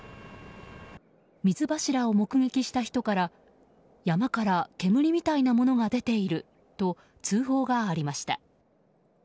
水柱を目撃した人から山から煙みたいなものが出ていると通報がありました。